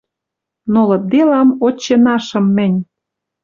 Но лыдделам «Отче нашым» мӹнь.